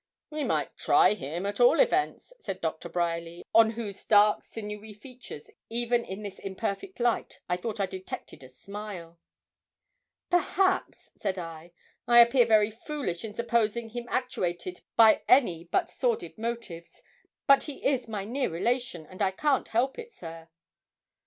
'We might try him at all events,' said Doctor Bryerly, on whose dark sinewy features, even in this imperfect light, I thought I detected a smile. 'Perhaps,' said I, 'I appear very foolish in supposing him actuated by any but sordid motives; but he is my near relation, and I can't help it, sir.'